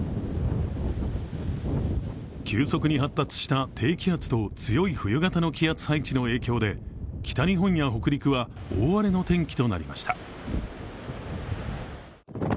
急速に発達した低気圧と強い冬型の気圧配置の影響で、北日本や北陸は大荒れの天気となりました。